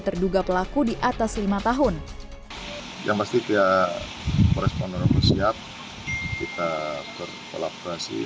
terduga pelaku di atas lima tahun yang pasti dia korespon orang bersiap kita berkolaborasi